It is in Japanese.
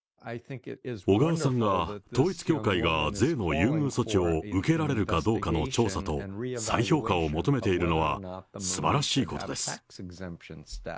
小川さんが、統一教会が税の優遇措置を受けられるかどうかの調査と再評価を求めているのは、すばらしいことです。